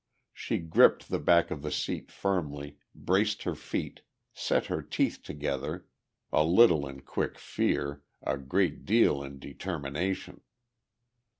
She gripped the back of the seat firmly, braced her feet, set her teeth together, a little in quick fear, a great deal in determination.